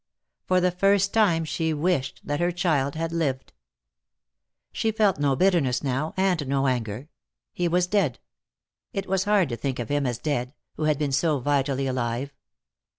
For the first time she wished that her child had lived. She felt no bitterness now, and no anger. He was dead. It was hard to think of him as dead, who had been so vitally alive.